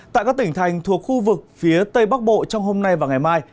tại các tỉnh thành thuộc khu vực phía tây bắc bộ trong hôm nay và ngày mai